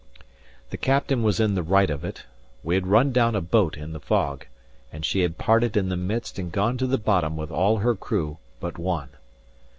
The captain was in the right of it. We had run down a boat in the fog, and she had parted in the midst and gone to the bottom with all her crew but one.